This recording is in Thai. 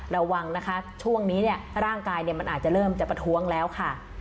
ระวังนะคะช่วงนี้เนี่ยร่างกายมันอาจจะเริ่มจะประท้วงแล้วค่ะ